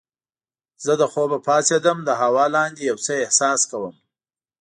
زه له خوبه پاڅیدم د هوا لاندې یو څه احساس کوم.